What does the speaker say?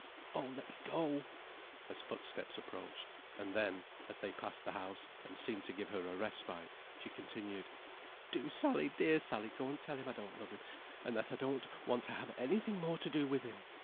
Oh, let me go," as footsteps approached; and then, as they passed the house, and seemed to give her a respite, she continued, "Do, Sally, dear Sally, go and tell him I don't love him, and that I don't want to have any thing more to do with him.